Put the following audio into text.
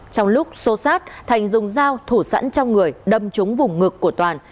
trong lúc xô xát thành dùng dao thủ sẵn trong người đâm trúng vùng ngực của toàn